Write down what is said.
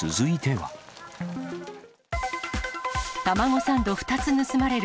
タマゴサンド２つ盗まれる。